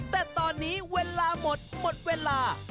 แต่ตอนนี้เวลาหมดหมดเวลา